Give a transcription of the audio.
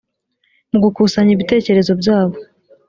mu gukusanya ibitekerezo byabo